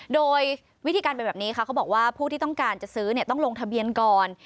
โดยวิธีการเป็นแบบนี้ค่ะเขาบอกว่าผู้ที่ต้องการจะซื้อต้องลงทะเบียนก่อน